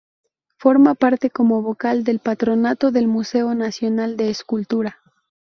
Forma parte como Vocal del Patronato del Museo Nacional de Escultura.